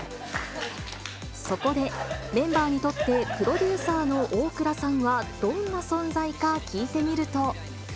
そこで、メンバーにとってプロデューサーの大倉さんは、どんな存在か聞いてみると。